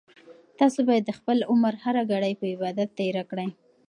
تاسو باید د خپل عمر هره ګړۍ په عبادت تېره کړئ.